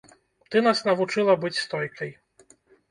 Ты нас навучыла быць стойкай.